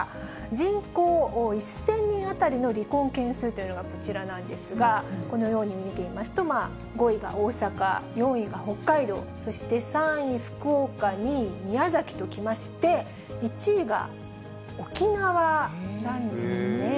人口１０００人当たりの離婚件数というのがこちらなんですが、このように見てみますと、５位が大阪、４位が北海道、そして３位福岡、２位宮崎ときまして、１位が沖縄なんですね。